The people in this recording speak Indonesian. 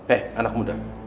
eh anak muda